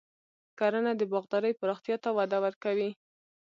کرنه د باغدارۍ پراختیا ته وده ورکوي.